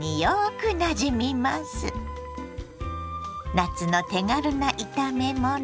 夏の手軽な炒めもの。